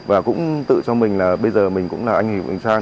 và cũng tự cho mình là bây giờ mình cũng là anh hữu bình trang